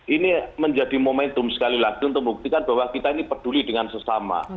ini menjadi momentum sekali lagi untuk membuktikan bahwa kita ini peduli dengan sesama